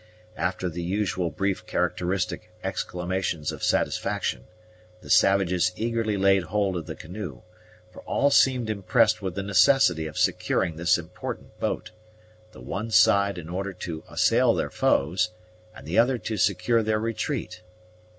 After the usual brief characteristic exclamations of satisfaction, the savages eagerly laid hold of the canoe, for all seemed impressed with the necessity of securing this important boat, the one side in order to assail their foes, and the other to secure their retreat.